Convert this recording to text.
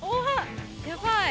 やばい。